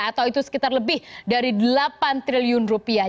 atau itu sekitar lebih dari delapan triliun rupiah